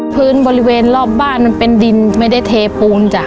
พื้นบริเวณรอบบ้านมันเป็นดินไม่ได้เทปูนจ้ะ